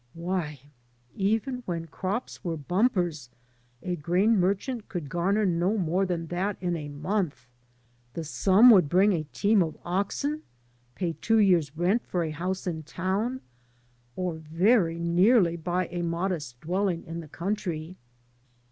Why, even when crops were bumpers a grain merchant could gamer no more than that in a month. The sum would bring a team of oxen, pay two years' rent for a house in town, or very nearly buy a modest dwelling in the country.